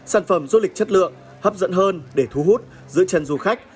sản phẩm du lịch chất lượng hấp dẫn hơn để thu hút giữ chân du khách